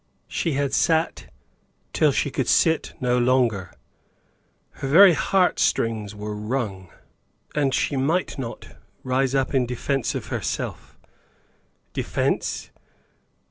She had sat till she could sit no longer; her very heartstrings were wrung, and she might not rise up in defence of herself. Defence?